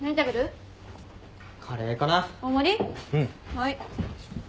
はい。